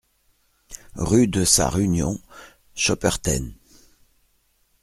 Rue de Sarre-Union, Schopperten